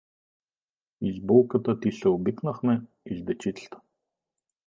И с булката ти се обикнахме, и с дечицата.